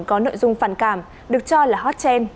có nội dung phản cảm được cho là hot trend